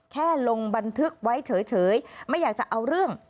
แค่ลงบันทึกไว้เฉยไม่อยากจะเอาเรื่อง